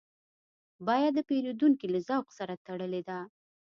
بیه د پیرودونکي له ذوق سره تړلې ده.